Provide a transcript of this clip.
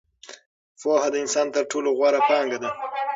پوهه د انسان تر ټولو غوره پانګه ده.